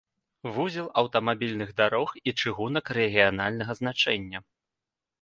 Вузел аўтамабільных дарог і чыгунак рэгіянальнага значэння.